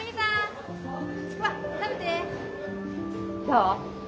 どう？